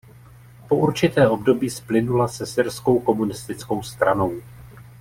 Po určité období splynula se Syrskou komunistickou stranou.